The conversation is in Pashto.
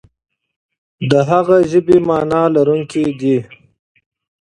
د هغه ژبه معنا لرونکې ده.